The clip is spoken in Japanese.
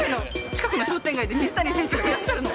近くの商店街で、水谷選手がいらっしゃるの。